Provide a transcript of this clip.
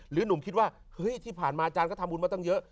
หนุ่มคิดว่าเฮ้ยที่ผ่านมาอาจารย์ก็ทำบุญมาตั้งเยอะ